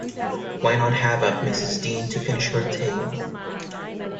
Why not have up Mrs. Dean to finish her tale?